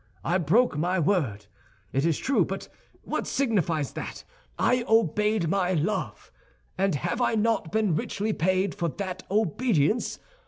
I broke my word, it is true; but what signifies that? I obeyed my love; and have I not been richly paid for that obedience?